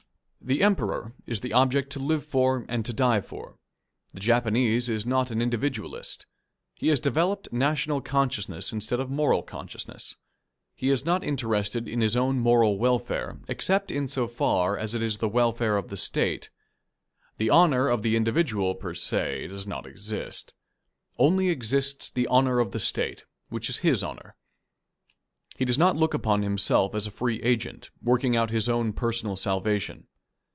The Emperor is the object to live for and to die for. The Japanese is not an individualist. He has developed national consciousness instead of moral consciousness. He is not interested in his own moral welfare except in so far as it is the welfare of the State. The honour of the individual, per se, does not exist. Only exists the honour of the State, which is his honour. He does not look upon himself as a free agent, working out his own personal salvation.